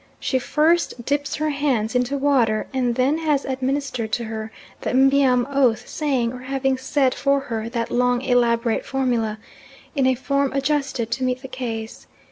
She first dips her hands into water, and then has administered to her the M'biam oath saying or having said for her that long elaborate formula, in a form adjusted to meet the case.